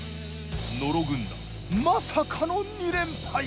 野呂軍団まさかの２連敗！